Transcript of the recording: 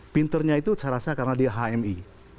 pinternya itu saya rasa karena dia hmi